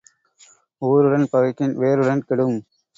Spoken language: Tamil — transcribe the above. ஊருடன் பகைக்கின் வேருடன் கெடும்.